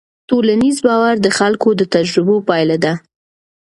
ټولنیز باور د خلکو د تجربو پایله ده.